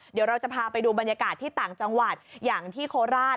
เดี๋ยวเราจะพาไปดูบรรยากาศที่ต่างจังหวัดอย่างที่โคราช